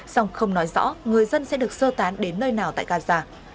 song không nói rõ người dân sẽ được sơ tán đến nơi nào tại gaza